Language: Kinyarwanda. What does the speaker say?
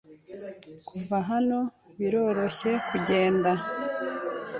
Kuva hano, biroroshye kugenda.